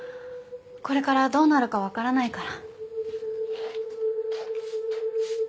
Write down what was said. これからどうなるか分からないから。